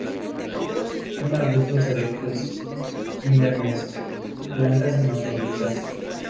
Son arbustos erectos, inermes; plantas hermafroditas.